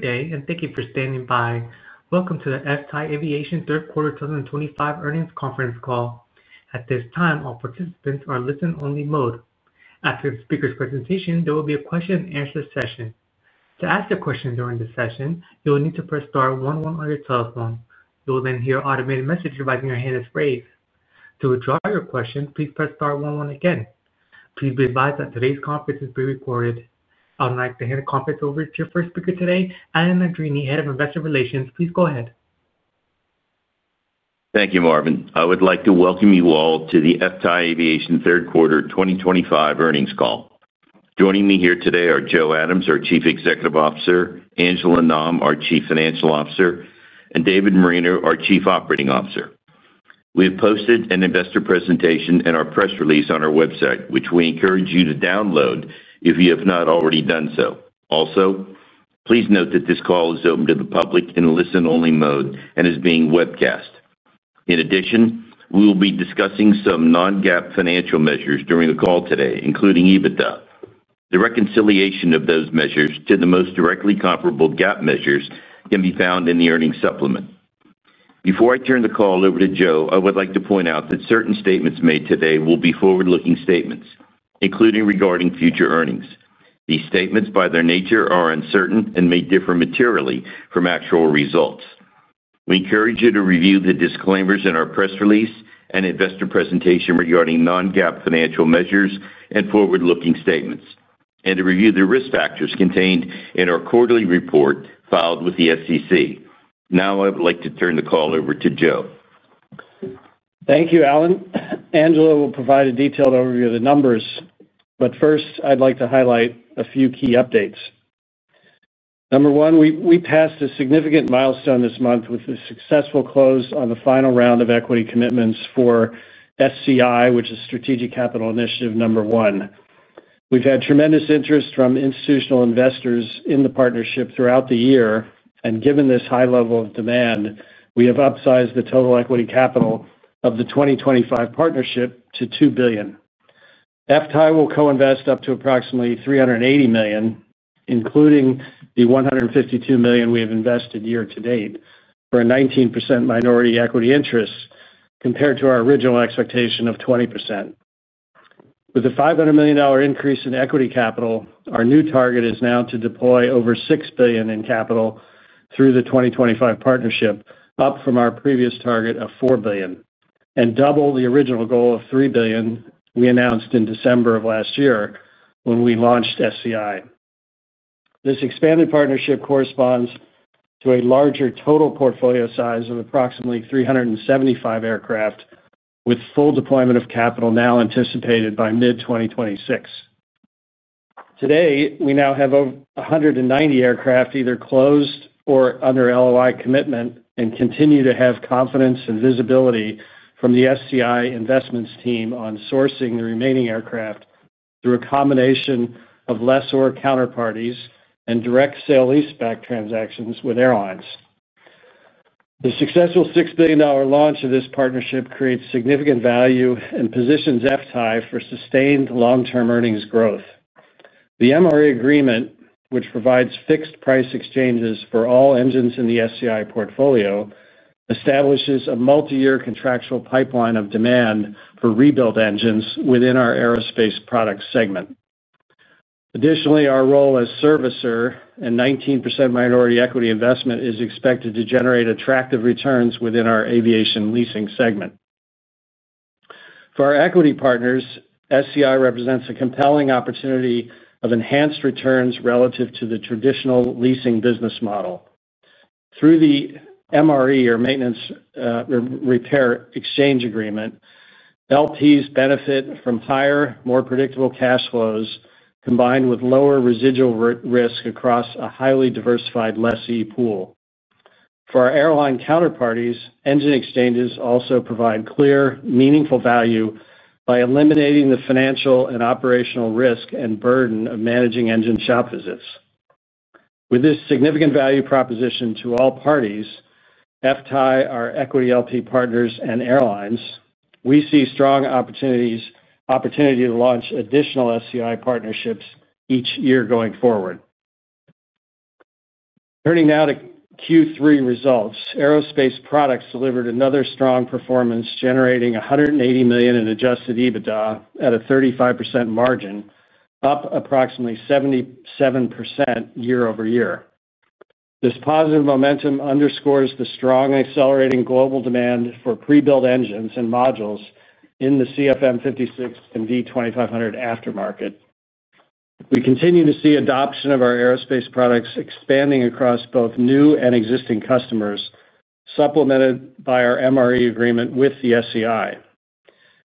Good day, and thank you for standing by. Welcome to the FTAI Aviation Third Quarter 2025 Earnings conference call. At this time, all participants are in listen-only mode. After the speaker's presentation, there will be a question-and-answer session. To ask a question during this session, you will need to press *one one on your telephone. You will then hear an automated message advising your hand is raised. To withdraw your question, please press *one one again. Please be advised that today's conference is being recorded. I would like to hand the conference over to our first speaker today, Alan Andreini, Head of Investor Relations. Please go ahead. Thank you, Marvin. I would like to welcome you all to the FTAI Aviation Third Quarter 2025 Earnings Call. Joining me here today are Joe Adams, our Chief Executive Officer, Angela Nam, our Chief Financial Officer, and David Moreno, our Chief Operating Officer. We have posted an investor presentation and our press release on our website, which we encourage you to download if you have not already done so. Also, please note that this call is open to the public in listen-only mode and is being webcast. In addition, we will be discussing some non-GAAP financial measures during the call today, including EBITDA. The reconciliation of those measures to the most directly comparable GAAP measures can be found in the earnings supplement. Before I turn the call over to Joe, I would like to point out that certain statements made today will be forward-looking statements, including regarding future earnings. These statements, by their nature, are uncertain and may differ materially from actual results. We encourage you to review the disclaimers in our press release and investor presentation regarding non-GAAP financial measures and forward-looking statements, and to review the risk factors contained in our quarterly report filed with the SEC. Now, I would like to turn the call over to Joe. Thank you, Alan. Angela will provide a detailed overview of the numbers, but first, I'd like to highlight a few key updates. Number one, we passed a significant milestone this month with a successful close on the final round of equity commitments for SCI, which is Strategic Capital Initiative Number One. We've had tremendous interest from institutional investors in the partnership throughout the year, and given this high level of demand, we have upsized the total equity capital of the 2025 partnership to $2 billion. FTAI will co-invest up to approximately $380 million, including the $152 million we have invested year to date, for a 19% minority equity interest compared to our original expectation of 20%. With a $500 million increase in equity capital, our new target is now to deploy over $6 billion in capital through the 2025 partnership, up from our previous target of $4 billion and double the original goal of $3 billion we announced in December of last year when we launched SCI. This expanded partnership corresponds to a larger total portfolio size of approximately 375 aircraft, with full deployment of capital now anticipated by mid-2026. Today, we now have over 190 aircraft either closed or under LOI commitment and continue to have confidence and visibility from the SCI investments team on sourcing the remaining aircraft through a combination of lessor counterparties and direct sale/lease-back transactions with airlines. The successful $6 billion launch of this partnership creates significant value and positions FTAI for sustained long-term earnings growth. The MRE agreement, which provides fixed price exchanges for all engines in the SCI portfolio, establishes a multi-year contractual pipeline of demand for rebuild engines within our aerospace product segment. Additionally, our role as servicer and 19% minority equity investment is expected to generate attractive returns within our aviation leasing segment. For our equity partners, SCI represents a compelling opportunity of enhanced returns relative to the traditional leasing business model. Through the MRE, or Maintenance Repair Exchange Agreement, LPs benefit from higher, more predictable cash flows combined with lower residual risk across a highly diversified LSE pool. For our airline counterparties, engine exchanges also provide clear, meaningful value by eliminating the financial and operational risk and burden of managing engine shop visits. With this significant value proposition to all parties, FTAI, our equity LP Partners, and airlines, we see strong opportunity to launch additional SCI partnerships each year going forward. Turning now to Q3 results, aerospace products delivered another strong performance, generating $180 million in Adjusted EBITDA at a 35% margin, up approximately 77% year-over-year. This positive momentum underscores the strong accelerating global demand for pre-built engines and modules in the CFM56 and V2500 aftermarket. We continue to see adoption of our aerospace products expanding across both new and existing customers, supplemented by our MRE agreement with the SCI.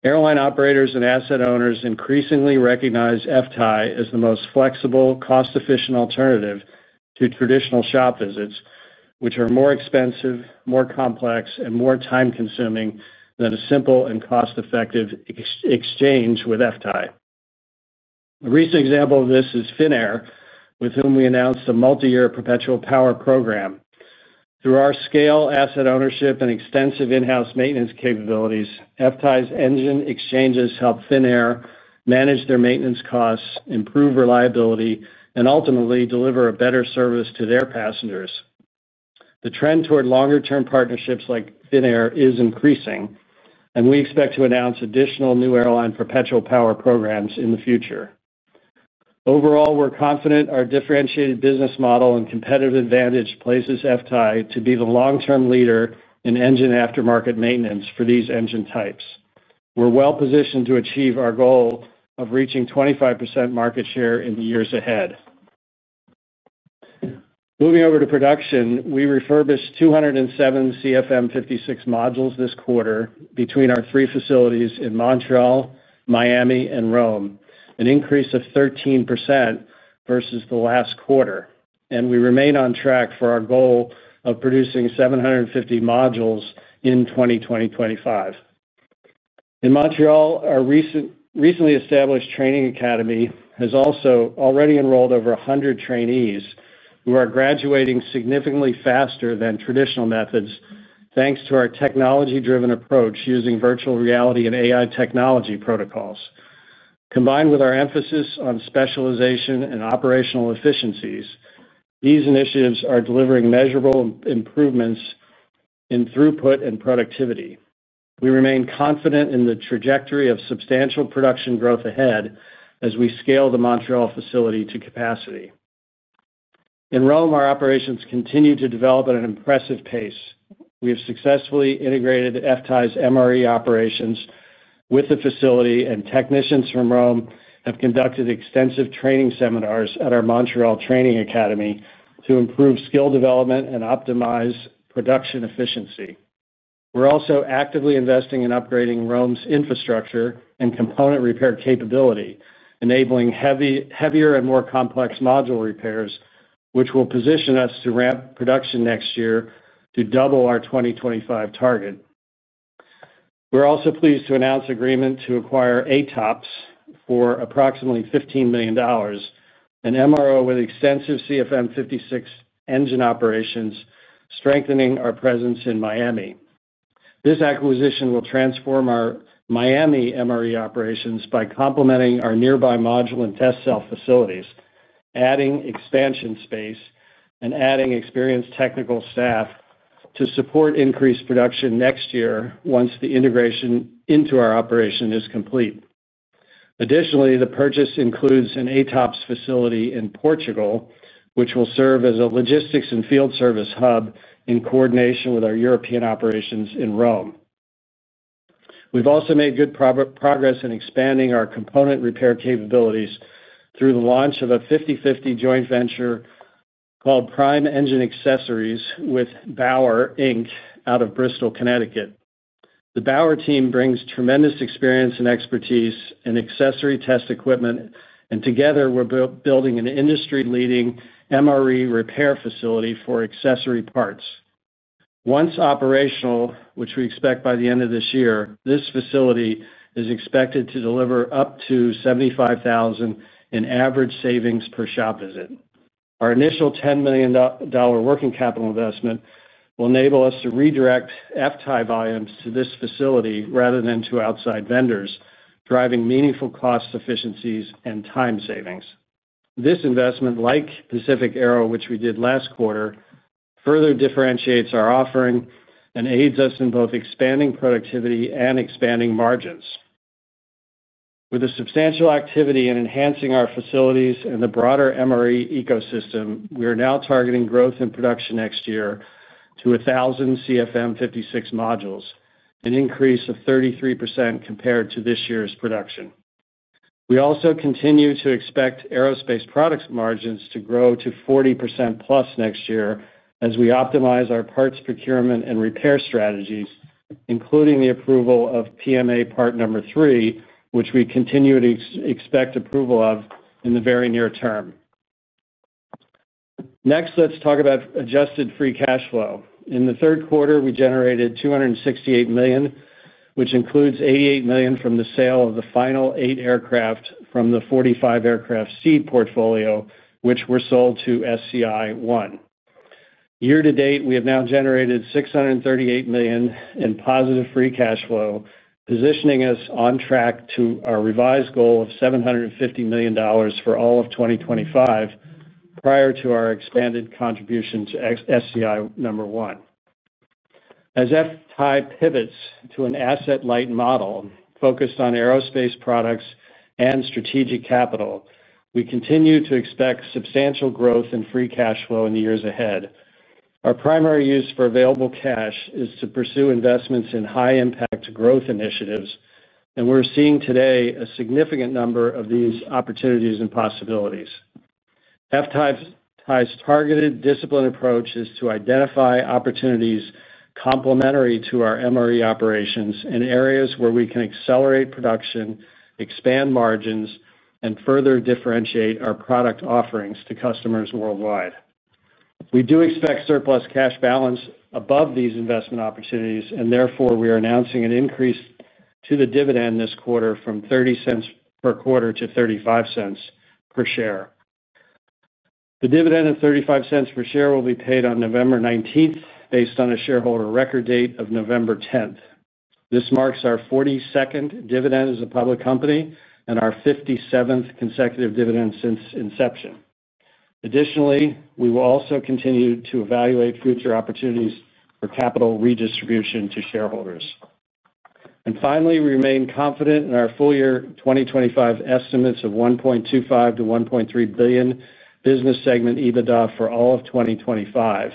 Airline operators and asset owners increasingly recognize FTAI as the most flexible, cost-efficient alternative to traditional shop visits, which are more expensive, more complex, and more time-consuming than a simple and cost-effective exchange with FTAI. A recent example of this is Finnair, with whom we announced a multi-year perpetual power program. Through our scale asset ownership and extensive in-house maintenance capabilities, FTAI's engine exchanges help Finnair manage their maintenance costs, improve reliability, and ultimately deliver a better service to their passengers. The trend toward longer-term partnerships like Finnair is increasing, and we expect to announce additional new airline perpetual power programs in the future. Overall, we're confident our differentiated business model and competitive advantage places FTAI to be the long-term leader in engine aftermarket maintenance for these engine types. We're well-positioned to achieve our goal of reaching 25% market share in the years ahead. Moving over to production, we refurbished 207 CFM56 modules this quarter between our three facilities in Montreal, Miami, and Rome, an increase of 13% versus the last quarter, and we remain on track for our goal of producing 750 modules in 2025. In Montreal, our recently established training academy has also already enrolled over 100 trainees who are graduating significantly faster than traditional methods, thanks to our technology-driven approach using virtual reality and AI technology protocols. Combined with our emphasis on specialization and operational efficiencies, these initiatives are delivering measurable improvements in throughput and productivity. We remain confident in the trajectory of substantial production growth ahead as we scale the Montreal facility to capacity. In Rome, our operations continue to develop at an impressive pace. We have successfully integrated FTAI's MRE operations with the facility, and technicians from Rome have conducted extensive training seminars at our Montreal training academy to improve skill development and optimize production efficiency. We're also actively investing in upgrading Rome's infrastructure and component repair capability, enabling heavier and more complex module repairs, which will position us to ramp production next year to double our 2025 target. We're also pleased to announce an agreement to acquire ATOPS for approximately $15 million, an MRO with extensive CFM56 engine operations, strengthening our presence in Miami. This acquisition will transform our Miami MRE operations by complementing our nearby module and test cell facilities, adding expansion space, and adding experienced technical staff to support increased production next year once the integration into our operation is complete. Additionally, the purchase includes an ATOPS facility in Portugal, which will serve as a logistics and field service hub in coordination with our European operations in Rome. We've also made good progress in expanding our component repair capabilities through the launch of a 50/50 joint venture called Prime Engine Accessories with Bauer, Inc. out of Bristol, Connecticut. The Bauer team brings tremendous experience and expertise in accessory test equipment, and together we're building an industry-leading MRE repair facility for accessory parts. Once operational, which we expect by the end of this year, this facility is expected to deliver up to $75,000 in average savings per shop visit. Our initial $10 million working capital investment will enable us to redirect FTAI volumes to this facility rather than to outside vendors, driving meaningful cost efficiencies and time savings. This investment, like Pacific Aero, which we did last quarter, further differentiates our offering and aids us in both expanding productivity and expanding margins. With a substantial activity in enhancing our facilities and the broader MRE ecosystem, we are now targeting growth in production next year to 1,000 CFM56 modules, an increase of 33% compared to this year's production. We also continue to expect aerospace products margins to grow to 40% plus next year as we optimize our parts procurement and repair strategies, including the approval of PMA Part Number 3, which we continue to expect approval of in the very near term. Next, let's talk about adjusted free cash flow. In the third quarter, we generated $268 million, which includes $88 million from the sale of the final eight aircraft from the 45 aircraft seed portfolio, which were sold to SCI number one. Year to date, we have now generated $638 million in positive free cash flow, positioning us on track to our revised goal of $750 million for all of 2025 prior to our expanded contribution to SCI number one. As FTAI Aviation Ltd. pivots to an asset-light model focused on aerospace products and strategic capital, we continue to expect substantial growth in free cash flow in the years ahead. Our primary use for available cash is to pursue investments in high-impact growth initiatives, and we're seeing today a significant number of these opportunities and possibilities. FTAI Aviation Ltd.'s targeted discipline approach is to identify opportunities complementary to our Maintenance Repair Exchange (MRE) operations in areas where we can accelerate production, expand margins, and further differentiate our product offerings to customers worldwide. We do expect surplus cash balance above these investment opportunities, and therefore we are announcing an increase to the dividend this quarter from $0.30 per quarter to $0.35 per share. The dividend of $0.35 per share will be paid on November 19th, based on a shareholder record date of November 10th. This marks our 42nd dividend as a public company and our 57th consecutive dividend since inception. Additionally, we will also continue to evaluate future opportunities for capital redistribution to shareholders. Finally, we remain confident in our full-year 2025 estimates of $1.25-$1.3 billion business segment EBITDA for all of 2025,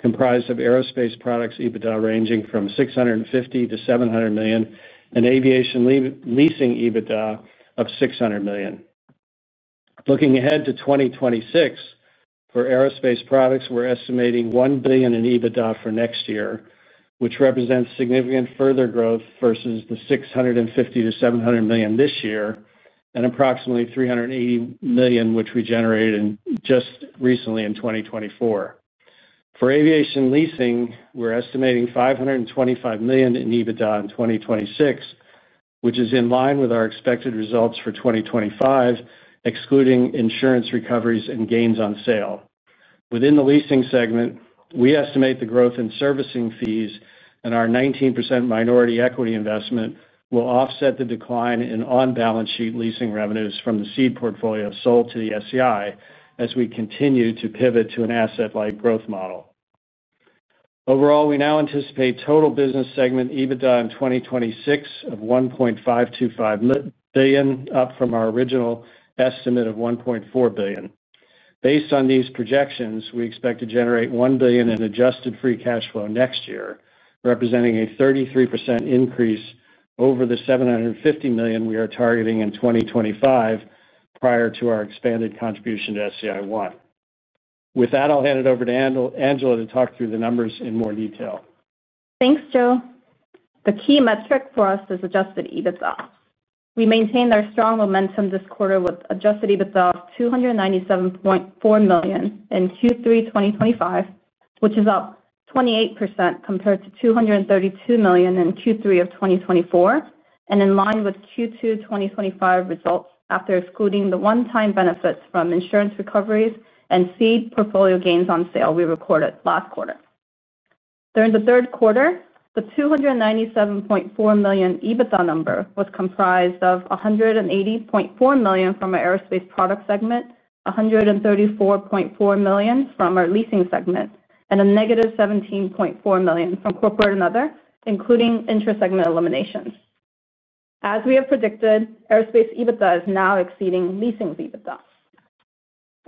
comprised of aerospace products EBITDA ranging from $650-$700 million and aviation leasing EBITDA of $600 million. Looking ahead to 2026, for aerospace products, we're estimating $1 billion in EBITDA for next year, which represents significant further growth versus the $650-$700 million this year and approximately $380 million, which we generated just recently in 2024. For aviation leasing, we're estimating $525 million in EBITDA in 2026, which is in line with our expected results for 2025, excluding insurance recoveries and gains on sale. Within the leasing segment, we estimate the growth in servicing fees, and our 19% minority equity investment will offset the decline in on-balance sheet leasing revenues from the seed portfolio sold to the SCI as we continue to pivot to an asset-light growth model. Overall, we now anticipate total business segment EBITDA in 2026 of $1.525 billion, up from our original estimate of $1.4 billion. Based on these projections, we expect to generate $1 billion in adjusted free cash flow next year, representing a 33% increase over the $750 million we are targeting in 2025 prior to our expanded contribution to SCI One. With that, I'll hand it over to Angela to talk through the numbers in more detail. Thanks, Joe. The key metric for us is Adjusted EBITDA. We maintained our strong momentum this quarter with Adjusted EBITDA of $297.4 million in Q3 2025, which is up 28% compared to $232 million in Q3 of 2024, and in line with Q2 2025 results after excluding the one-time benefits from insurance recoveries and seed portfolio gains on sale we reported last quarter. During the third quarter, the $297.4 million EBITDA number was comprised of $180.4 million from our aerospace product segment, $134.4 million from our leasing segment, and a -$17.4 million from corporate and other, including inter-segment eliminations. As we have predicted, aerospace EBITDA is now exceeding leasing's EBITDA.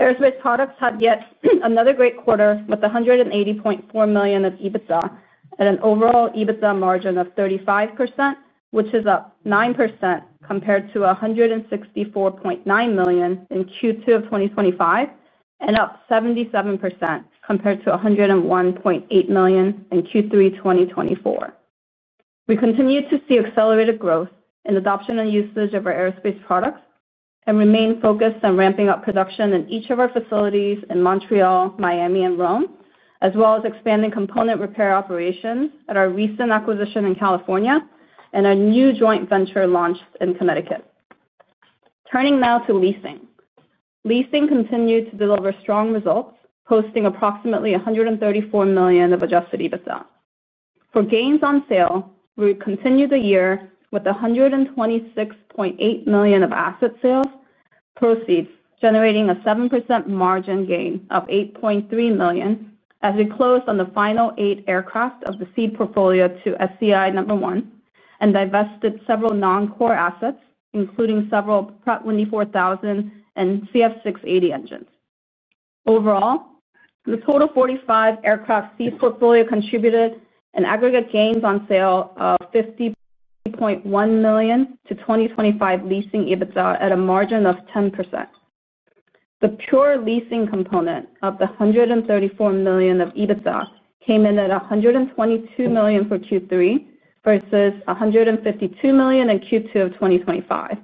Aerospace products had yet another great quarter with $180.4 million of EBITDA and an overall EBITDA margin of 35%, which is up 9% compared to $164.9 million in Q2 of 2025 and up 77% compared to $101.8 million in Q3 2024. We continue to see accelerated growth in adoption and usage of our aerospace products and remain focused on ramping up production in each of our facilities in Montreal, Miami, and Rome, as well as expanding component repair operations at our recent acquisition in California and our new joint venture launched in Connecticut. Turning now to leasing, leasing continued to deliver strong results, posting approximately $134 million of Adjusted EBITDA. For gains on sale, we continue the year with $126.8 million of asset sales proceeds, generating a 7% margin gain of $8.3 million as we closed on the final eight aircraft of the seed portfolio to SCI number one and divested several non-core assets, including several Pratt & Whitney 4000 and CF680 engines. Overall, the total 45 aircraft seed portfolio contributed an aggregate gains on sale of $50.1 million to 2025 leasing EBITDA at a margin of 10%. The pure leasing component of the $134 million of EBITDA came in at $122 million for Q3 versus $152 million in Q2 of 2025,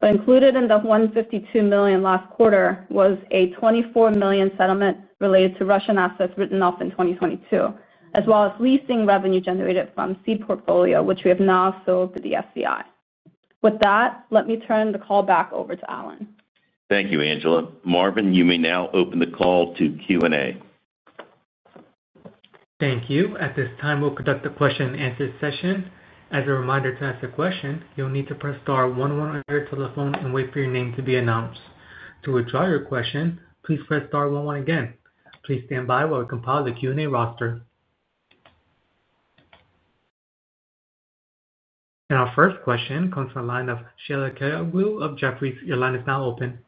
but included in the $152 million last quarter was a $24 million settlement related to Russian assets written off in 2022, as well as leasing revenue generated from seed portfolio, which we have now sold to the SCI. With that, let me turn the call back over to Alan. Thank you, Angela. Marvin, you may now open the call to Q&A. Thank you. At this time, we'll conduct the question-and-answer session. As a reminder, to ask a question, you'll need to press *one one on your telephone and wait for your name to be announced. To withdraw your question, please press *one one again. Please stand by while we compile the Q&A roster. Our first question comes from the line of Sheila Kahyaoglu of Jefferies. Your line is now open.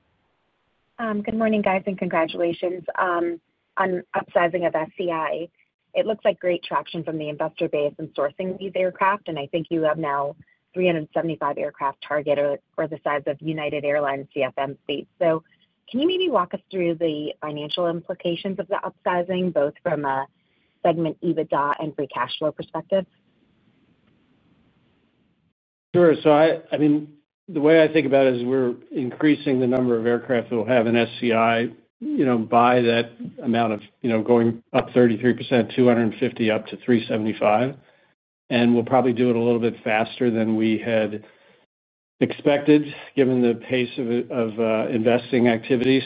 Good morning, guys, and congratulations on upsizing of SCI. It looks like great traction from the investor base in sourcing these aircraft, and I think you have now 375 aircraft targeted or the size of United Airlines CFM seats. Can you maybe walk us through the financial implications of the upsizing, both from a segment EBITDA and free cash flow perspective? Sure. The way I think about it is we're increasing the number of aircraft that we'll have in SCI by that amount, going up 33%, 250 up to 375, and we'll probably do it a little bit faster than we had expected, given the pace of investing activity.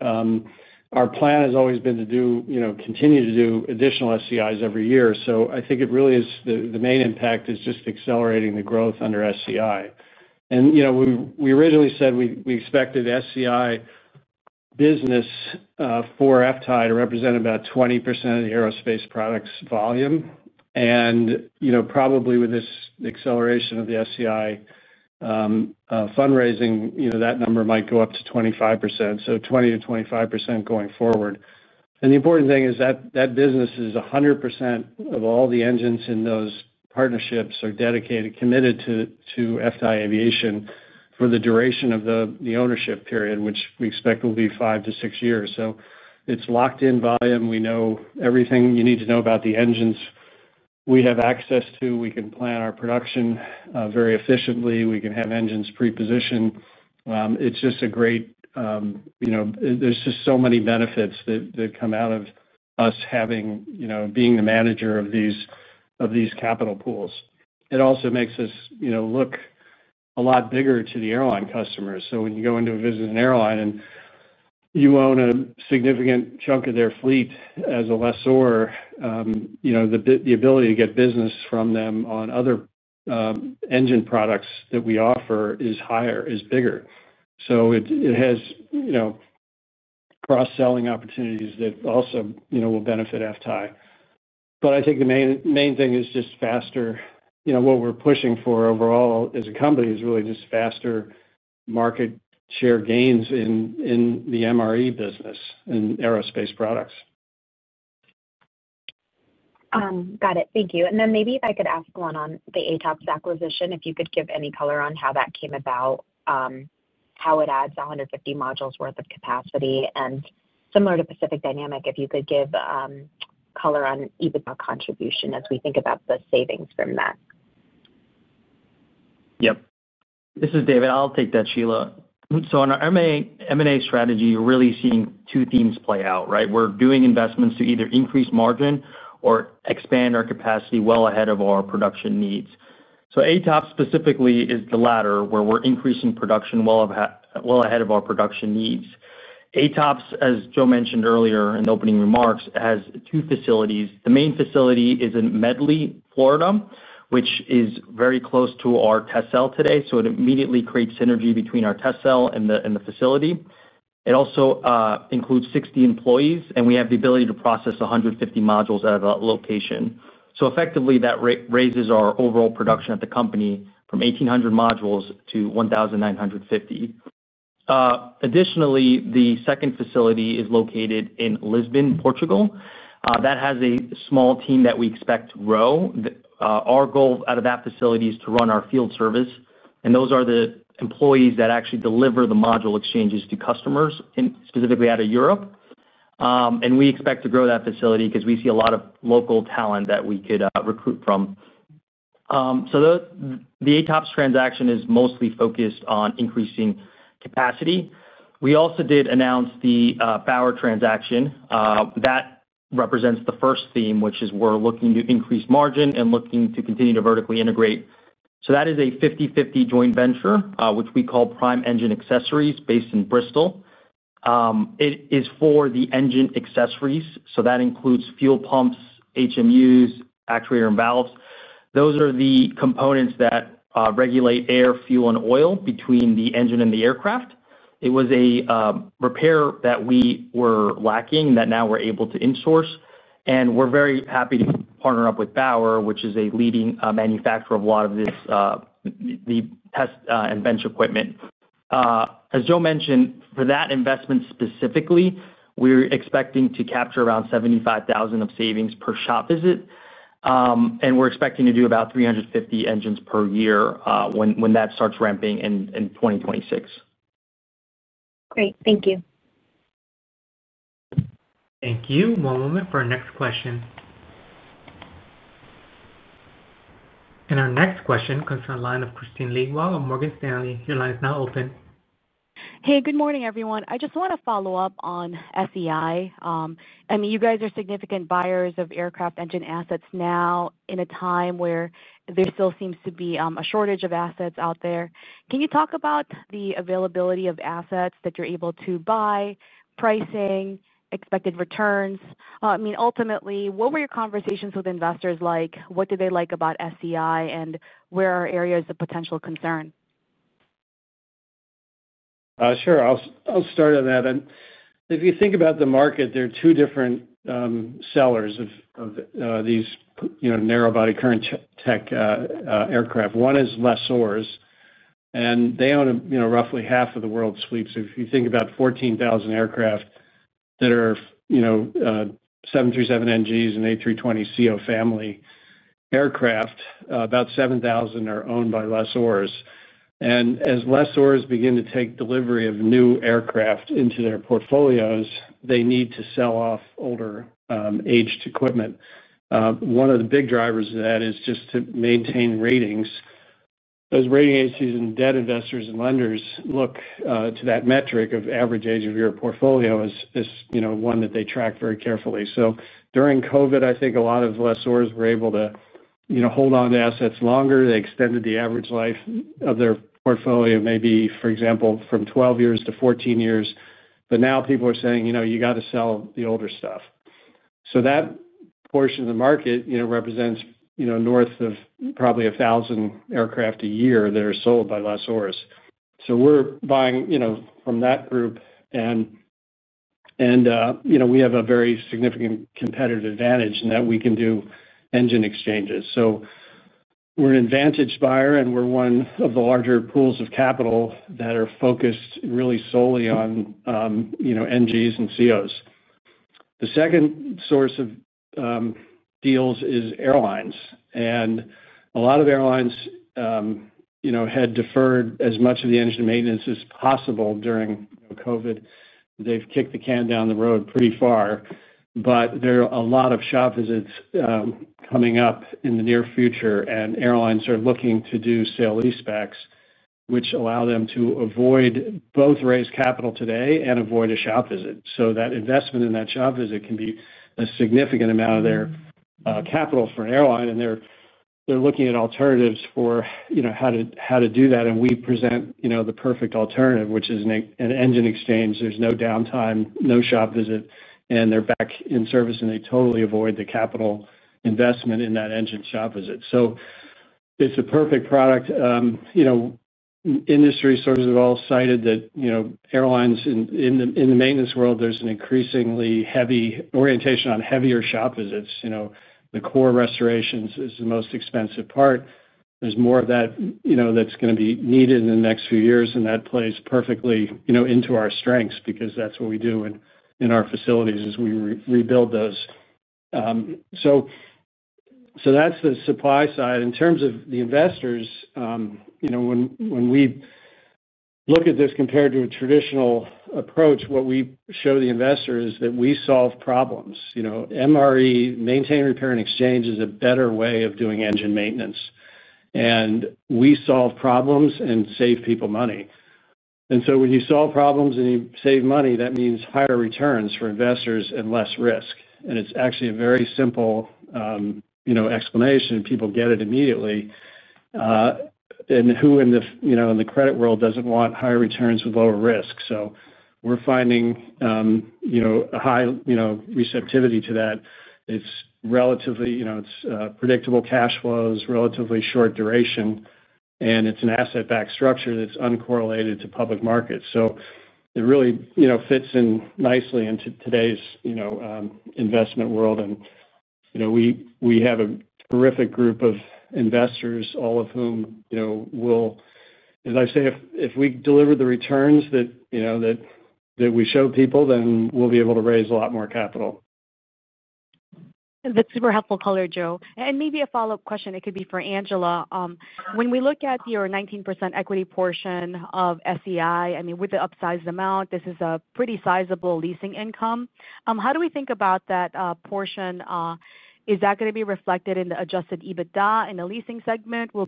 Our plan has always been to continue to do additional SCIs every year. I think it really is the main impact is just accelerating the growth under SCI. We originally said we expected SCI business for FTAI Aviation to represent about 20% of the aerospace products volume. Probably with this acceleration of the SCI fundraising, that number might go up to 25%, so 20% to 25% going forward. The important thing is that that business is 100% of all the engines in those partnerships are dedicated, committed to FTAI Aviation for the duration of the ownership period, which we expect will be five to six years. It's locked-in volume. We know everything you need to know about the engines we have access to. We can plan our production very efficiently. We can have engines pre-positioned. There are just so many benefits that come out of us being the manager of these capital pools. It also makes us look a lot bigger to the airline customers. When you go into a business in an airline and you own a significant chunk of their fleet as a lessor, the ability to get business from them on other engine products that we offer is higher, is bigger. It has cross-selling opportunities that also will benefit FTAI Aviation. I think the main thing is just faster, what we're pushing for overall as a company is really just faster market share gains in the Maintenance Repair Exchange (MRE) business and aerospace products. Got it. Thank you. If I could ask one on the ATOPS acquisition, if you could give any color on how that came about, how it adds 150 modules' worth of capacity. Similar to Pacific Dynamic, if you could give color on EBITDA contribution as we think about the savings from that. Yep. This is David. I'll take that, Sheila. On our M&A strategy, you're really seeing two themes play out, right? We're doing investments to either increase margin or expand our capacity well ahead of our production needs. ATOPS specifically is the latter, where we're increasing production well ahead of our production needs. ATOPS, as Joe mentioned earlier in the opening remarks, has two facilities. The main facility is in Medley, Florida, which is very close to our test cell today. It immediately creates synergy between our test cell and the facility. It also includes 60 employees, and we have the ability to process 150 modules at a location. Effectively, that raises our overall production at the company from 1,800 modules to 1,950. Additionally, the second facility is located in Lisbon, Portugal. That has a small team that we expect to grow. Our goal out of that facility is to run our field service, and those are the employees that actually deliver the module exchanges to customers, specifically out of Europe. We expect to grow that facility because we see a lot of local talent that we could recruit from. The ATOPS transaction is mostly focused on increasing capacity. We also did announce the Bauer transaction. That represents the first theme, which is we're looking to increase margin and looking to continue to vertically integrate. That is a 50/50 joint venture, which we call Prime Engine Accessories, based in Bristol. It is for the engine accessories. That includes fuel pumps, HMUs, actuator, and valves. Those are the components that regulate air, fuel, and oil between the engine and the aircraft. It was a repair that we were lacking that now we're able to insource. We're very happy to partner up with Bauer, which is a leading manufacturer of a lot of this, the test and bench equipment. As Joe mentioned, for that investment specifically, we're expecting to capture around $75,000 of savings per shop visit. We're expecting to do about 350 engines per year when that starts ramping in 2026. Great. Thank you. Thank you. One moment for our next question. Our next question comes from the line of Christine Tu of Morgan Stanley. Your line is now open. Hey, good morning, everyone. I just want to follow up on SCI. I mean, you guys are significant buyers of aircraft engine assets now in a time where there still seems to be a shortage of assets out there. Can you talk about the availability of assets that you're able to buy, pricing, expected returns? I mean, ultimately, what were your conversations with investors like? What did they like about SCI, and where are areas of potential concern? Sure. I'll start on that. If you think about the market, there are two different sellers of these narrow-body current tech aircraft. One is Lessors, and they own roughly half of the world's fleet. If you think about 14,000 aircraft that are, you know, 737 NGs and A320 C/O family aircraft, about 7,000 are owned by Lessors. As Lessors begin to take delivery of new aircraft into their portfolios, they need to sell off older aged equipment. One of the big drivers of that is just to maintain ratings. Those rating agencies and debt investors and lenders look to that metric of average age of your portfolio as one that they track very carefully. During COVID, I think a lot of Lessors were able to hold on to assets longer. They extended the average life of their portfolio maybe, for example, from 12 years-14 years. Now people are saying, you know, you got to sell the older stuff. That portion of the market represents north of probably 1,000 aircraft a year that are sold by Lessors. We're buying from that group, and we have a very significant competitive advantage in that we can do engine exchanges. We're an advantage buyer, and we're one of the larger pools of capital that are focused really solely on, you know, NGs and C/Os. The second source of deals is airlines. A lot of airlines, you know, had deferred as much of the engine maintenance as possible during COVID. They've kicked the can down the road pretty far. There are a lot of shop visits coming up in the near future, and airlines are looking to do sale/lease-backs, which allow them to both raise capital today and avoid a shop visit. That investment in that shop visit can be a significant amount of their capital for an airline, and they're looking at alternatives for how to do that. We present the perfect alternative, which is an engine exchange. There's no downtime, no shop visit, and they're back in service, and they totally avoid the capital investment in that engine shop visit. It's a perfect product. Industry sources have all cited that, you know, airlines in the maintenance world, there's an increasingly heavy orientation on heavier shop visits. The core restorations is the most expensive part. There's more of that, you know, that's going to be needed in the next few years, and that plays perfectly into our strengths because that's what we do in our facilities as we rebuild those. That's the supply side. In terms of the investors, when we look at this compared to a traditional approach, what we show the investors is that we solve problems. MRE, Maintenance Repair Exchange, is a better way of doing engine maintenance. We solve problems and save people money. When you solve problems and you save money, that means higher returns for investors and less risk. It's actually a very simple explanation, and people get it immediately. Who in the credit world doesn't want higher returns with lower risk? We're finding a high receptivity to that. It's predictable cash flows, relatively short duration, and it's an asset-backed structure that's uncorrelated to public markets. It really fits in nicely into today's investment world. We have a terrific group of investors, all of whom, as I say, if we deliver the returns that we show people, then we'll be able to raise a lot more capital. That's a super helpful color, Joe. Maybe a follow-up question. It could be for Angela. When we look at your 19% equity portion of SCI, with the upsized amount, this is a pretty sizable leasing income. How do we think about that portion? Is that going to be reflected in the Adjusted EBITDA in the leasing segment? Will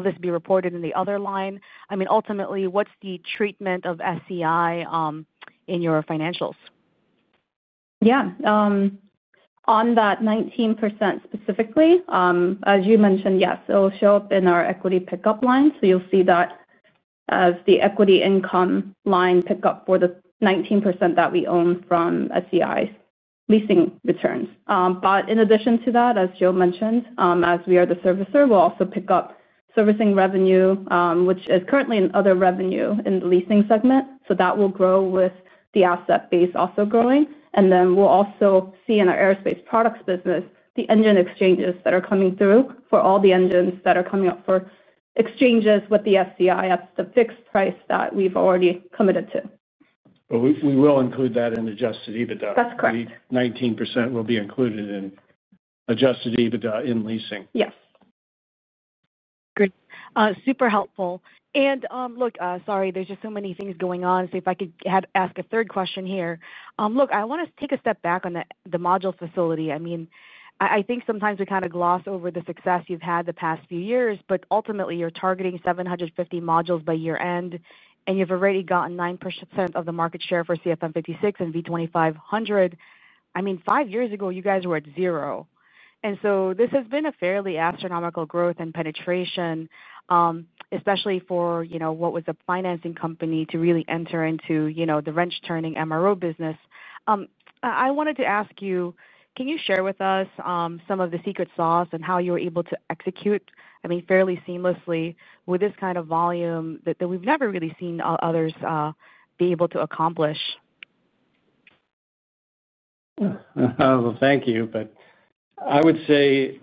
this be reported in the other line? Ultimately, what's the treatment of SCI in your financials? Yeah. On that 19% specifically, as you mentioned, yes, it'll show up in our equity pickup line. You'll see that as the equity income line pick up for the 19% that we own from SCI's leasing returns. In addition to that, as Joe mentioned, as we are the servicer, we'll also pick up servicing revenue, which is currently in other revenue in the leasing segment. That will grow with the asset base also growing. We'll also see in our aerospace products business the engine exchanges that are coming through for all the engines that are coming up for exchanges with the SCI. That's the fixed price that we've already committed to. We will include that in Adjusted EBITDA. That's correct. The 19% will be included in Adjusted EBITDA in leasing. Yes. Great. Super helpful. Sorry, there's just so many things going on. If I could ask a third question here. I want to take a step back on the module facility. I think sometimes we kind of gloss over the success you've had the past few years, but ultimately, you're targeting 750 modules by year-end, and you've already gotten 9% of the market share for CFM56 and V2500. Five years ago, you guys were at zero. This has been a fairly astronomical growth and penetration, especially for what was a financing company to really enter into the wrench-turning MRO business. I wanted to ask you, can you share with us some of the secret sauce and how you were able to execute fairly seamlessly with this kind of volume that we've never really seen others be able to accomplish? Thank you. I would say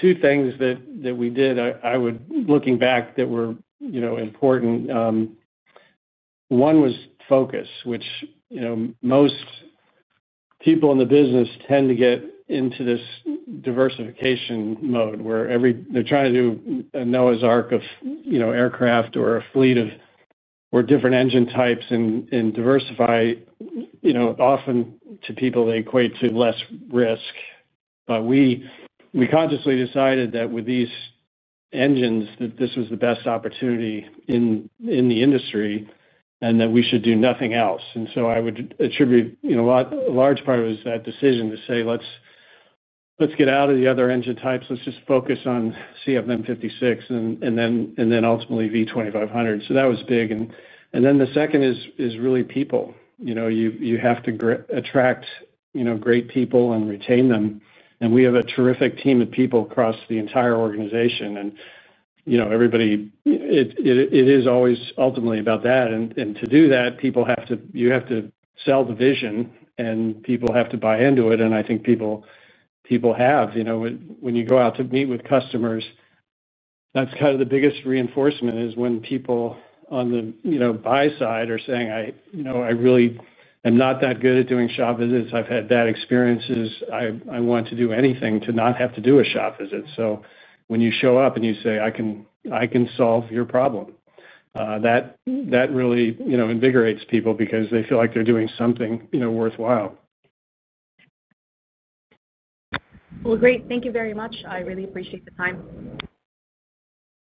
two things that we did, I would look back that were important. One was focus, which most people in the business tend to get into this diversification mode where they're trying to do a Noah's Ark of aircraft or a fleet of different engine types and diversify, often to people they equate to less risk. We consciously decided that with these engines, that this was the best opportunity in the industry and that we should do nothing else. I would attribute a large part of it was that decision to say, "Let's get out of the other engine types. Let's just focus on CFM56 and then ultimately V2500." That was big. The second is really people. You have to attract great people and retain them. We have a terrific team of people across the entire organization. Everybody, it is always ultimately about that. To do that, you have to sell the vision, and people have to buy into it. I think people have, when you go out to meet with customers, that's kind of the biggest reinforcement is when people on the buy side are saying, "I really am not that good at doing shop visits. I've had bad experiences. I want to do anything to not have to do a shop visit." When you show up and you say, "I can solve your problem," that really invigorates people because they feel like they're doing something worthwhile. Thank you very much. I really appreciate the time.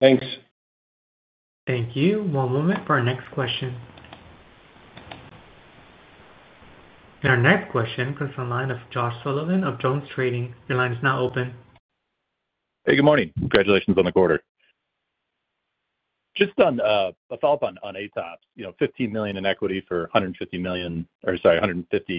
Thanks. Thank you. One moment for our next question. Our next question comes from the line of Josh Sullivan of Jones Trading. Your line is now open. Hey, good morning. Congratulations on the quarter. Just on a follow-up on ATOPS. $15 million in equity for 150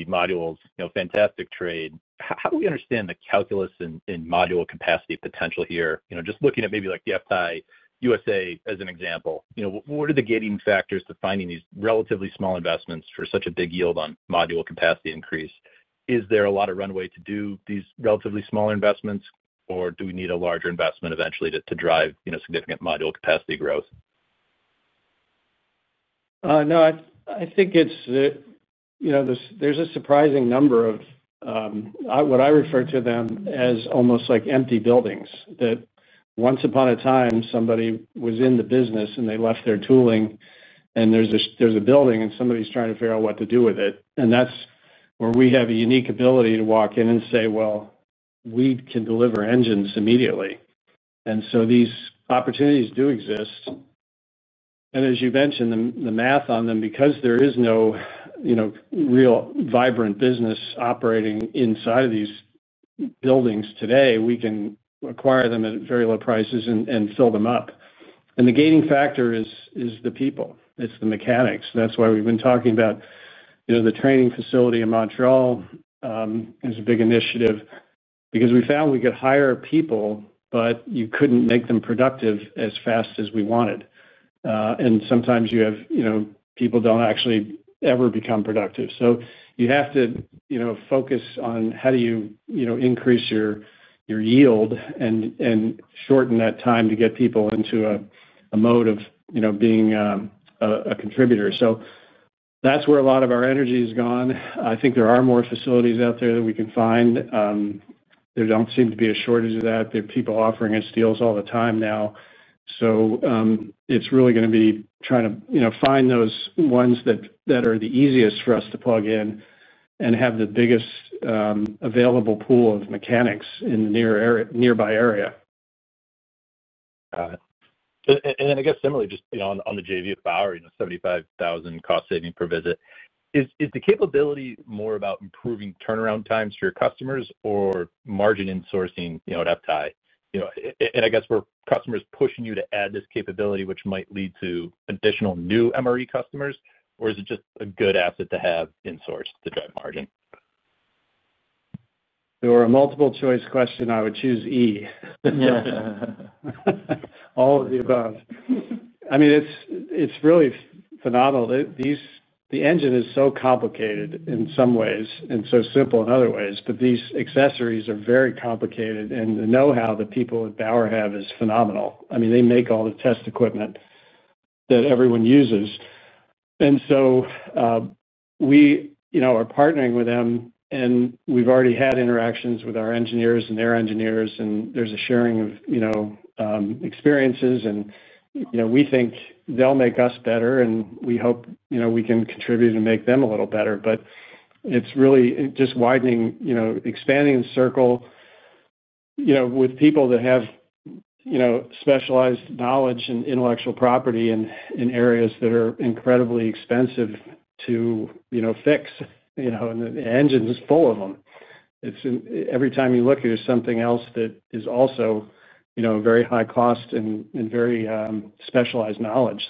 modules. Fantastic trade. How do we understand the calculus in module capacity potential here? Just looking at maybe like the FTAI USA as an example. What are the gating factors to finding these relatively small investments for such a big yield on module capacity increase? Is there a lot of runway to do these relatively smaller investments, or do we need a larger investment eventually to drive significant module capacity growth? No, I think it's that, you know, there's a surprising number of what I refer to as almost like empty buildings, that once upon a time, somebody was in the business and they left their tooling, and there's a building and somebody's trying to figure out what to do with it. That's where we have a unique ability to walk in and say, "We can deliver engines immediately." These opportunities do exist. As you mentioned, the math on them, because there is no real vibrant business operating inside of these buildings today, we can acquire them at very low prices and fill them up. The gating factor is the people. It's the mechanics. That's why we've been talking about the training facility in Montreal as a big initiative because we found we could hire people, but you couldn't make them productive as fast as we wanted. Sometimes you have people who don't actually ever become productive. You have to focus on how you increase your yield and shorten that time to get people into a mode of being a contributor. That's where a lot of our energy has gone. I think there are more facilities out there that we can find. There doesn't seem to be a shortage of that. There are people offering in steels all the time now. It's really going to be trying to find those ones that are the easiest for us to plug in and have the biggest available pool of mechanics in the nearby area. Got it. I guess similarly, just, you know, on the joint venture with Bauer, you know, $75,000 cost saving per visit. Is the capability more about improving turnaround times for your customers or margin insourcing, you know, at FTAI? I guess, were customers pushing you to add this capability, which might lead to additional new Maintenance Repair Exchange (MRE) customers, or is it just a good asset to have insourced to drive margin? You are a multiple-choice question. I would choose E. All of the above. I mean, it's really phenomenal. The engine is so complicated in some ways and so simple in other ways, but these accessories are very complicated, and the know-how that people at Bauer have is phenomenal. They make all the test equipment that everyone uses. We are partnering with them, and we've already had interactions with our engineers and their engineers, and there's a sharing of experiences. We think they'll make us better, and we hope we can contribute and make them a little better. It's really just widening, expanding the circle with people that have specialized knowledge and intellectual property in areas that are incredibly expensive to fix, and the engine's full of them. Every time you look, there's something else that is also very high cost and very specialized knowledge.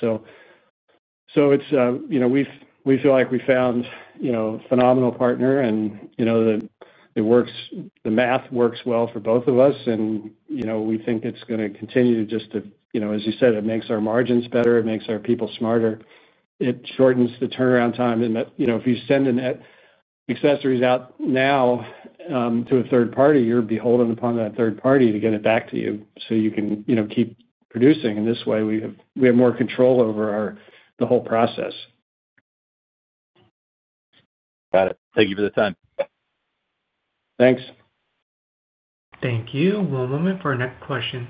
We feel like we found a phenomenal partner, and the math works well for both of us. We think it's going to continue just to, as you said, it makes our margins better. It makes our people smarter. It shortens the turnaround time. If you send an accessory out now to a third party, you're beholden upon that third party to get it back to you so you can keep producing. This way, we have more control over the whole process. Got it. Thank you for the time. Thanks. Thank you. One moment for our next question.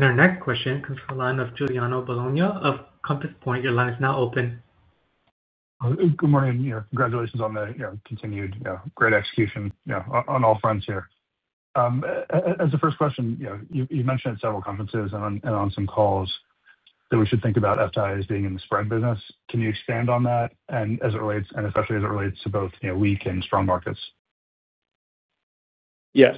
Our next question comes from the line of Giuliano Bologna of Compass Point. Your line is now open. Good morning. Congratulations on the continued great execution on all fronts here. As the first question, you mentioned at several conferences and on some calls that we should think about FTAI Aviation Ltd. as being in the spread business. Can you expand on that, especially as it relates to both weak and strong markets? Yes.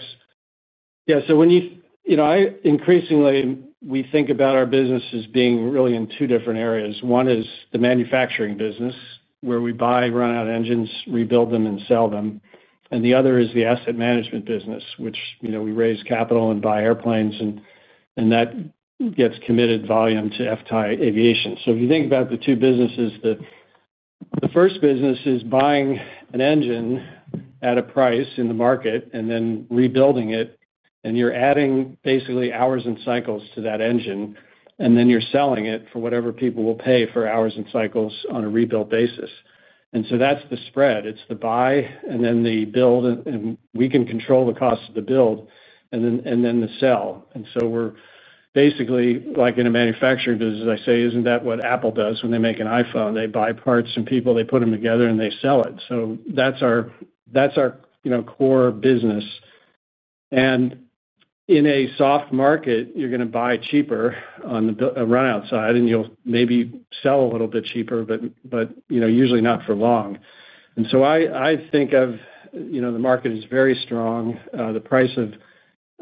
When you, you know, I increasingly, we think about our business as being really in two different areas. One is the manufacturing business, where we buy run-out engines, rebuild them, and sell them. The other is the asset management business, which, you know, we raise capital and buy airplanes, and that gets committed volume to FTAI Aviation. If you think about the two businesses, the first business is buying an engine at a price in the market and then rebuilding it. You're adding basically hours and cycles to that engine, and then you're selling it for whatever people will pay for hours and cycles on a rebuilt basis. That's the spread. It's the buy and then the build, and we can control the cost of the build and then the sell. We're basically like in a manufacturing business. Isn't that what Apple does when they make an iPhone? They buy parts from people, they put them together, and they sell it. That's our, that's our, you know, core business. In a soft market, you're going to buy cheaper on the run-out side, and you'll maybe sell a little bit cheaper, but, you know, usually not for long. I think of, you know, the market is very strong. The price of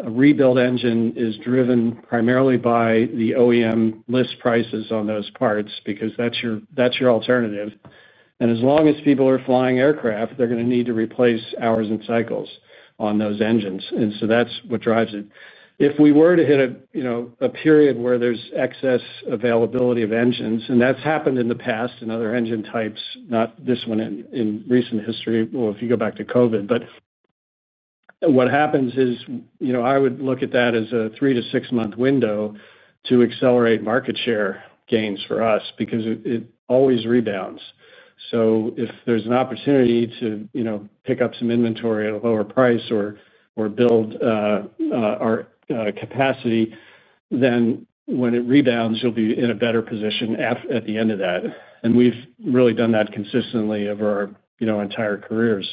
a rebuilt engine is driven primarily by the OEM list prices on those parts because that's your alternative. As long as people are flying aircraft, they're going to need to replace hours and cycles on those engines. That's what drives it. If we were to hit a period where there's excess availability of engines, and that's happened in the past in other engine types, not this one in recent history, if you go back to COVID. What happens is, you know, I would look at that as a three to six-month window to accelerate market share gains for us because it always rebounds. If there's an opportunity to pick up some inventory at a lower price or build our capacity, then when it rebounds, you'll be in a better position at the end of that. We've really done that consistently over our entire careers.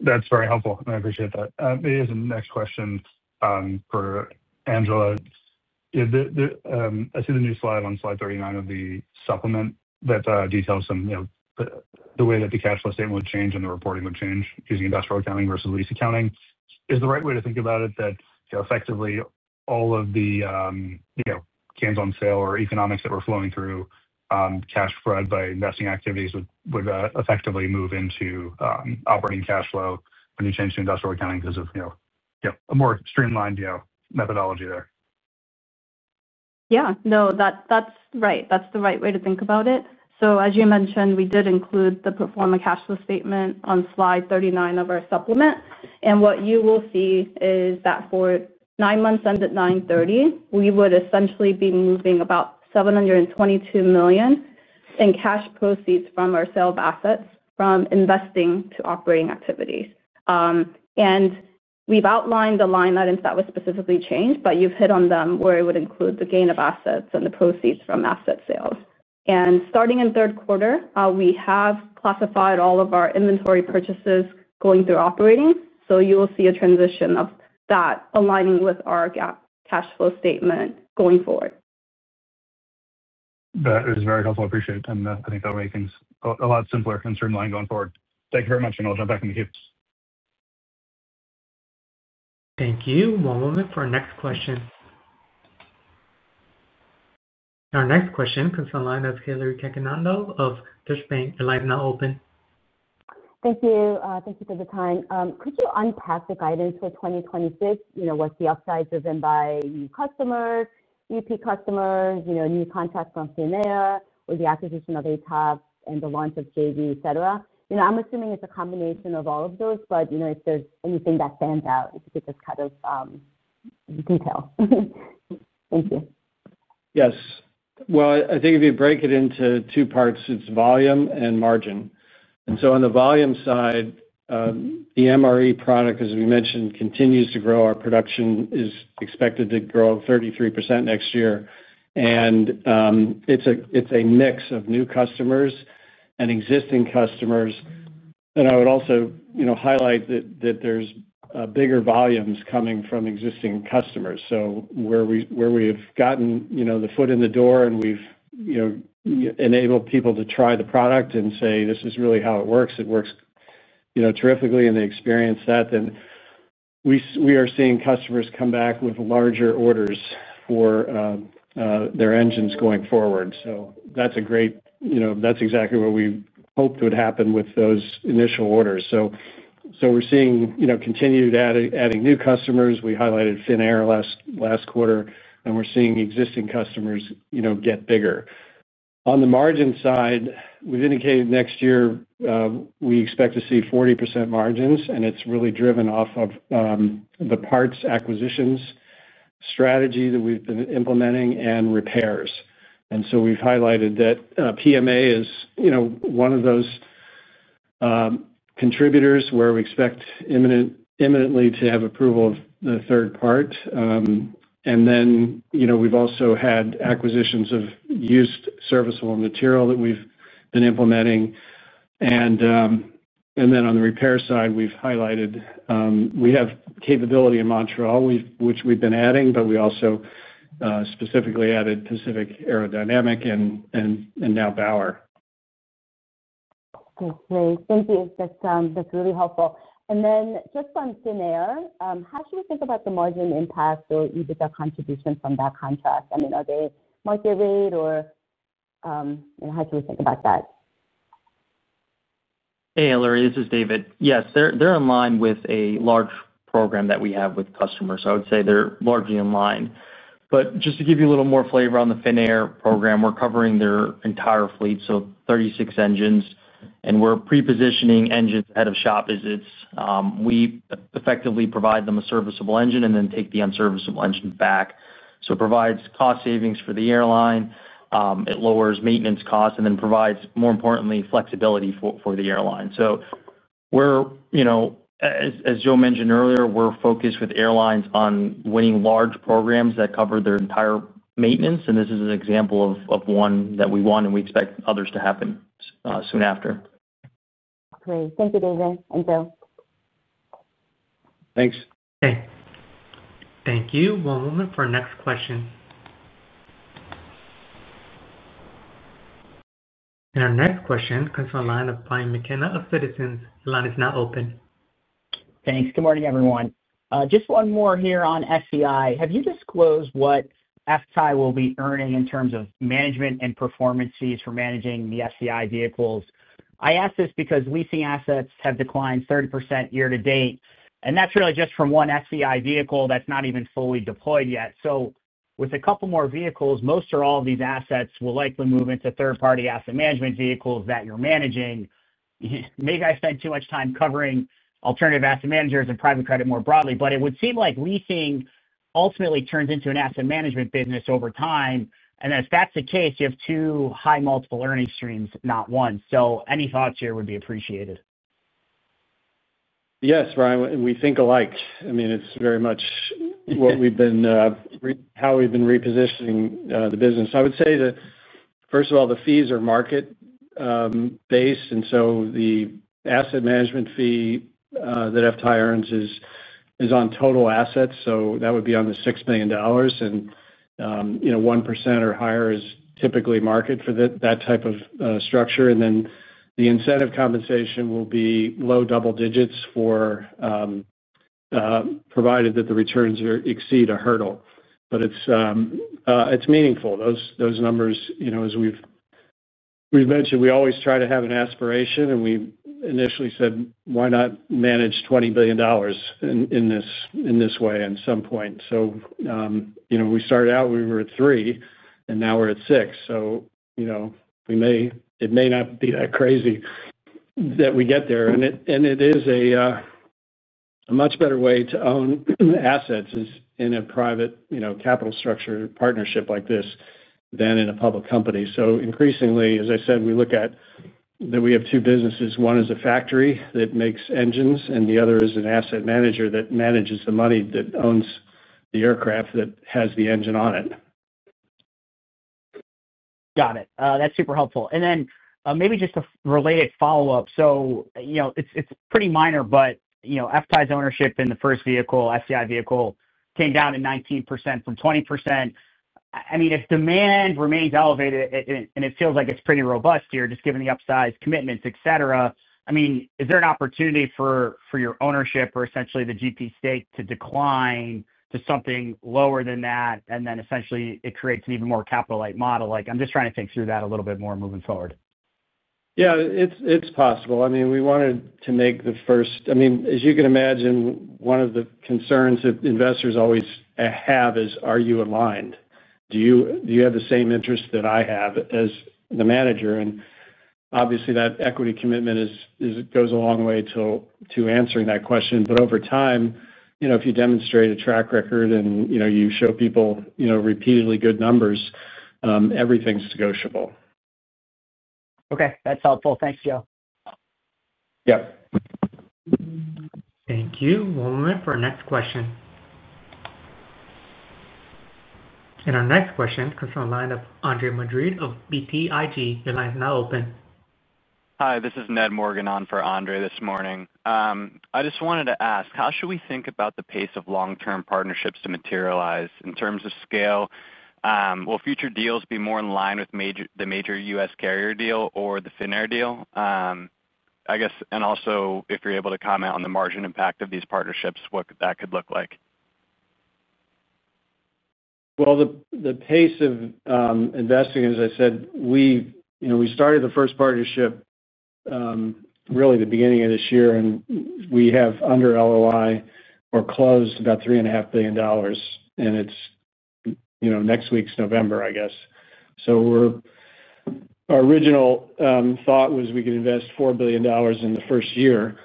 That's very helpful. I appreciate that. Next question for Angela. I see the new slide on slide 39 of the supplement that details some of the way that the cash flow statement would change and the reporting would change using industrial accounting versus lease accounting. Is the right way to think about it that, effectively, all of the, you know, gains on sale or economics that were flowing through cash provided by investing activities would effectively move into operating cash flow when you change to industrial accounting because of a more streamlined methodology there? Yeah. No, that's right. That's the right way to think about it. As you mentioned, we did include the performance cash flow statement on slide 39 of our supplement. What you will see is that for nine months ended 9/30, we would essentially be moving about $722 million in cash proceeds from our sales assets from investing to operating activities. We've outlined the line items that were specifically changed, but you've hit on them where it would include the gain of assets and the proceeds from asset sales. Starting in third quarter, we have classified all of our inventory purchases going through operating. You will see a transition of that aligning with our GAAP cash flow statement going forward. That is very helpful. I appreciate it. I think that'll make things a lot simpler and streamlined going forward. Thank you very much. I'll jump back in the queue. Thank you. One moment for our next question. Our next question comes from the line of Hillary Cacanando of Deutsche Bank. Your line is now open. Thank you. Thank you for the time. Could you unpack the guidance for 2026? Was the upsell driven by a new customer, existing customers, new contracts from PMA, or the acquisition of ATOPS, and the launch of the joint venture, etc.? I'm assuming it's a combination of all of those, but if there's anything that stands out, if you could just kind of detail. Thank you. I think if you break it into two parts, it's volume and margin. On the volume side, the MRE product, as we mentioned, continues to grow. Our production is expected to grow 33% next year, and it's a mix of new customers and existing customers. I would also highlight that there's bigger volumes coming from existing customers. Where we've gotten the foot in the door and we've enabled people to try the product and say, "This is really how it works. It works, you know, terrifically," and they experience that, we are seeing customers come back with larger orders for their engines going forward. That's exactly what we hoped would happen with those initial orders. We're seeing continued adding new customers. We highlighted Finnair last quarter, and we're seeing existing customers get bigger. On the margin side, we've indicated next year, we expect to see 40% margins, and it's really driven off of the parts acquisitions strategy that we've been implementing and repairs. We've highlighted that PMA is one of those contributors where we expect imminently to have approval of the third part. We've also had acquisitions of used serviceable material that we've been implementing. On the repair side, we've highlighted we have capability in Montreal, which we've been adding, but we also specifically added Pacific Aerodynamic and now Bauer. Okay. Thank you. That's really helpful. Then just on Finnair, how should we think about the margin impact or EBITDA contribution from that contract? I mean, are they market rate or, you know, how should we think about that? Hey, Hilary. This is David. Yes, they're in line with a large program that we have with customers. I would say they're largely in line. To give you a little more flavor on the Finnair program, we're covering their entire fleet, so 36 engines, and we're pre-positioning engines ahead of shop visits. We effectively provide them a serviceable engine and then take the unserviceable engines back. It provides cost savings for the airline. It lowers maintenance costs and then provides, more importantly, flexibility for the airline. As Joe mentioned earlier, we're focused with airlines on winning large programs that cover their entire maintenance. This is an example of one that we want, and we expect others to happen soon after. Great. Thank you, David and Joe. Thanks. Okay. Thank you. One moment for our next question. Our next question comes from the line of Brian McKenna of Citizens. Your line is now open. Thanks. Good morning, everyone. Just one more here on SCI. Have you disclosed what FTAI will be earning in terms of management and performance fees for managing the SCI vehicles? I ask this because leasing assets have declined 30% year to date. That's really just from one SCI vehicle that's not even fully deployed yet. With a couple more vehicles, most or all of these assets will likely move into third-party asset management vehicles that you're managing. Maybe I spent too much time covering alternative asset managers and private credit more broadly, but it would seem like leasing ultimately turns into an asset management business over time. If that's the case, you have two high multiple earning streams, not one. Any thoughts here would be appreciated. Yes, Ryan, we think alike. I mean, it's very much what we've been, how we've been repositioning the business. I would say that, first of all, the fees are market-based. The asset management fee that FTAI Aviation Ltd. earns is on total assets. That would be on the $6 million, and 1% or higher is typically market for that type of structure. The incentive compensation will be low double digits, provided that the returns exceed a hurdle. It's meaningful. Those numbers, as we've mentioned, we always try to have an aspiration, and we initially said, "Why not manage $20 billion in this way at some point?" We started out, we were at three, and now we're at six. It may not be that crazy that we get there. It is a much better way to own assets in a private capital structure partnership like this than in a public company. Increasingly, as I said, we look at that we have two businesses. One is a factory that makes engines, and the other is an asset manager that manages the money that owns the aircraft that has the engine on it. Got it. That's super helpful. Maybe just a related follow-up. It's pretty minor, but FTAI's ownership in the first vehicle, SCI vehicle, came down to 19% from 20%. If demand remains elevated and it feels like it's pretty robust here, just given the upsized commitments, etc., is there an opportunity for your ownership or essentially the GP stake to decline to something lower than that? Essentially, it creates an even more capital-like model. I'm just trying to think through that a little bit more moving forward. Yeah, it's possible. We wanted to make the first, I mean, as you can imagine, one of the concerns that investors always have is, are you aligned? Do you have the same interest that I have as the manager? Obviously, that equity commitment goes a long way to answering that question. Over time, if you demonstrate a track record and you show people repeatedly good numbers, everything's negotiable. Okay, that's helpful. Thanks, Joe. Yep. Thank you. One moment for our next question. Our next question comes from the line of Andre Madrid of BTIG. Your line is now open. Hi, this is Ned Morgan on for Andre this morning. I just wanted to ask, how should we think about the pace of long-term partnerships to materialize in terms of scale? Will future deals be more in line with the major U.S. carrier deal or the Finnair deal? I guess, and also, if you're able to comment on the margin impact of these partnerships, what that could look like. The pace of investing, as I said, we've started the first partnership really at the beginning of this year, and we have under LOI or closed about $3.5 billion. It's next week’s November, I guess. Our original thought was we could invest $4 billion in the first year.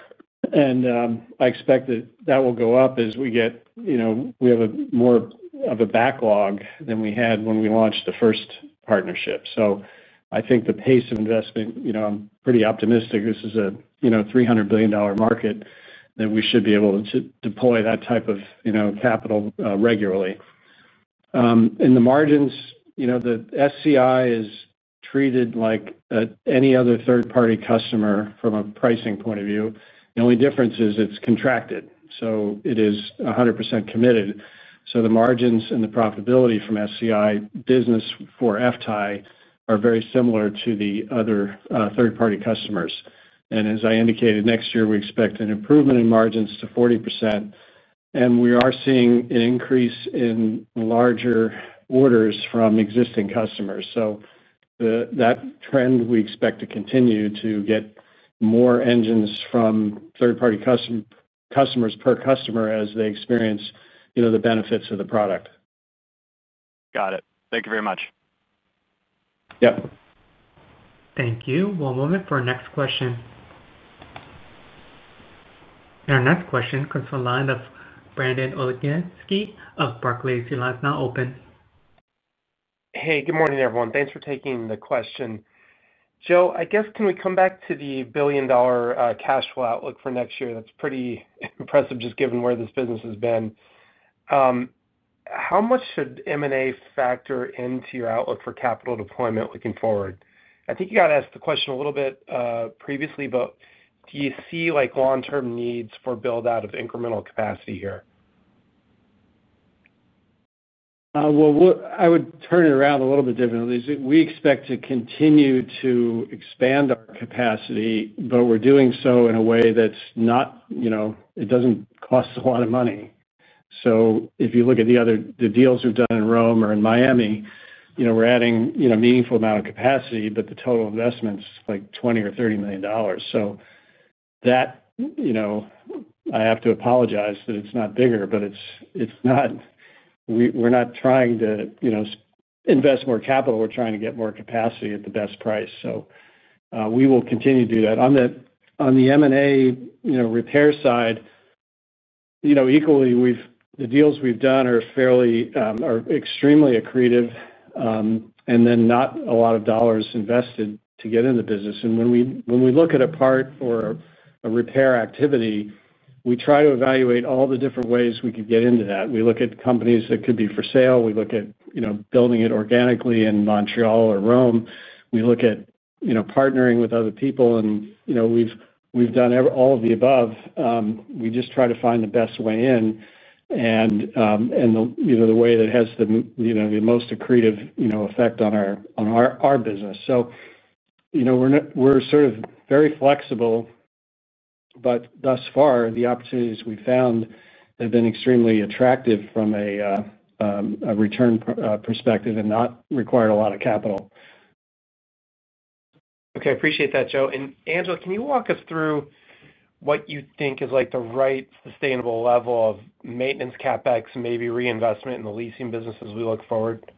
I expect that will go up as we get, you know, we have more of a backlog than we had when we launched the first partnership. I think the pace of investment, I'm pretty optimistic. This is a $300 billion market that we should be able to deploy that type of capital regularly. The margins, the SCI is treated like any other third-party customer from a pricing point of view. The only difference is it's contracted, so it is 100% committed. The margins and the profitability from SCI business for FTAI Aviation Ltd. are very similar to the other third-party customers. As I indicated, next year, we expect an improvement in margins to 40%. We are seeing an increase in larger orders from existing customers. That trend, we expect to continue to get more engines from third-party customers per customer as they experience the benefits of the product. Got it. Thank you very much. Yep. Thank you. One moment for our next question. Our next question comes from the line of Brandon Oglenski of Barclays. Your line is now open. Hey, good morning, everyone. Thanks for taking the question. Joe, I guess can we come back to the $1 billion cash flow outlook for next year? That's pretty impressive just given where this business has been. How much should M&A factor into your outlook for capital deployment looking forward? I think you got to ask the question a little bit previously, but do you see like long-term needs for build-out of incremental capacity here? I would turn it around a little bit differently. We expect to continue to expand our capacity, but we're doing so in a way that's not, you know, it doesn't cost a lot of money. If you look at the other deals we've done in Rome or in Miami, we're adding a meaningful amount of capacity, but the total investment's like $20 million or $30 million. I have to apologize that it's not bigger, but it's not, we're not trying to invest more capital. We're trying to get more capacity at the best price. We will continue to do that. On the M&A, you know, repair side, equally, the deals we've done are extremely accretive, and then not a lot of dollars invested to get in the business. When we look at a part or a repair activity, we try to evaluate all the different ways we could get into that. We look at companies that could be for sale. We look at building it organically in Montreal or Rome. We look at partnering with other people. We've done all of the above. We just try to find the best way in and the way that has the most accretive effect on our business. We're sort of very flexible, but thus far, the opportunities we've found have been extremely attractive from a return perspective and not required a lot of capital. Okay. I appreciate that, Joe. Angela, can you walk us through what you think is the right sustainable level of maintenance CapEx and maybe reinvestment in the leasing business as we look forward?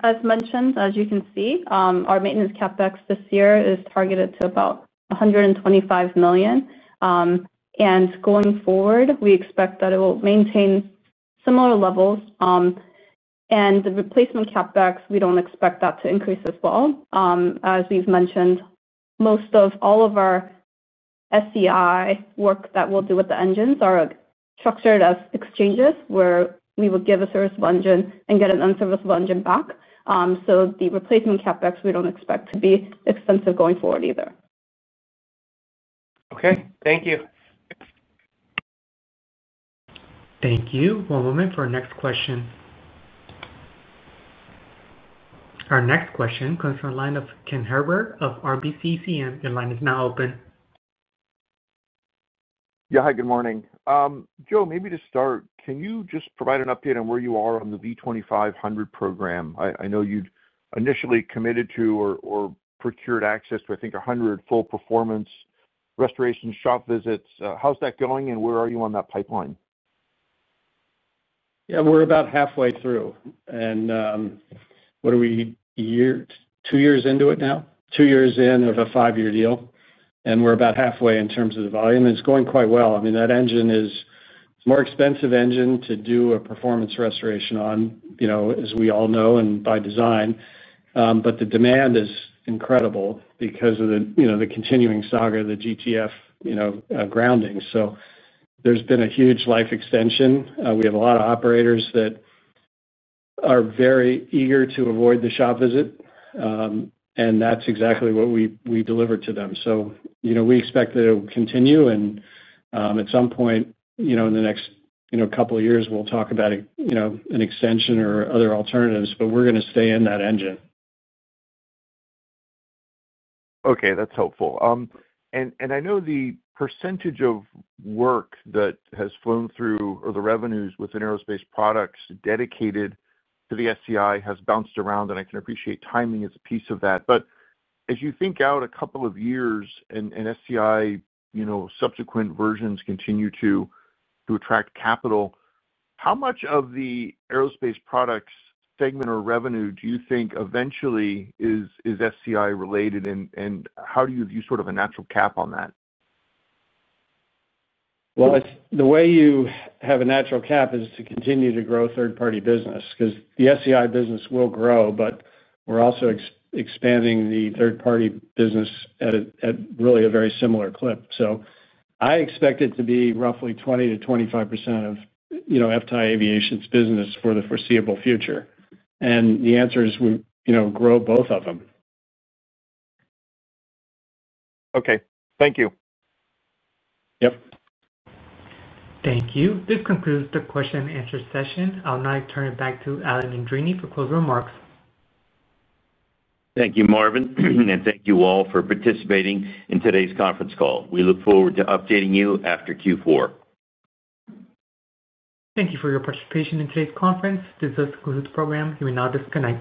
As mentioned, as you can see, our maintenance CapEx this year is targeted to about $125 million. Going forward, we expect that it will maintain similar levels. The replacement CapEx, we don't expect that to increase as well. As we've mentioned, most of all of our SCI work that we'll do with the engines are structured as exchanges where we would give a serviceable engine and get an unserviceable engine back. The replacement CapEx, we don't expect to be expensive going forward either. Okay, thank you. Thank you. One moment for our next question. Our next question comes from the line of Ken Herbert of RBC Capital Markets. Your line is now open. Yeah. Hi, good morning. Joe, maybe to start, can you just provide an update on where you are on the V2500 program? I know you'd initially committed to or procured access to, I think, 100 full performance restoration shop visits. How's that going? Where are you on that pipeline? Yeah, we're about halfway through. What are we? Two years into it now? Two years in of a five-year deal. We're about halfway in terms of the volume, and it's going quite well. I mean, that engine is a more expensive engine to do a performance restoration on, as we all know and by design. The demand is incredible because of the continuing saga of the GTF grounding. There's been a huge life extension. We have a lot of operators that are very eager to avoid the shop visit, and that's exactly what we deliver to them. We expect that it will continue. At some point in the next couple of years, we'll talk about an extension or other alternatives, but we're going to stay in that engine. Okay. That's helpful. I know the percentage of work that has flown through or the revenues within aerospace products dedicated to the SCI has bounced around, and I can appreciate timing is a piece of that. As you think out a couple of years and SCI, you know, subsequent versions continue to attract capital, how much of the aerospace products segment or revenue do you think eventually is SCI-related? How do you view sort of a natural cap on that? The way you have a natural cap is to continue to grow third-party business because the SCI business will grow, but we're also expanding the third-party business at really a very similar clip. I expect it to be roughly 20%-25% of, you know, FTAI Aviation's business for the foreseeable future. The answer is, you know, grow both of them. Okay, thank you. Yep. Thank you. This concludes the question and answer session. I'll now turn it back to Alan Andreini for closing remarks. Thank you, Marvin. Thank you all for participating in today's conference call. We look forward to updating you after Q4. Thank you for your participation in today's conference. This concludes the program. You may now disconnect.